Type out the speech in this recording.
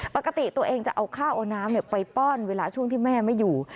ปกติตัวเองจะเอาข้าวเอาน้ำไปป้อนเวลาช่วงที่แม่ไม่อยู่